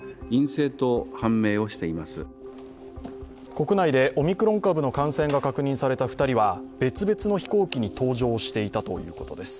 国内でオミクロン株の感染が確認された２人は別々の飛行機に搭乗していたということです。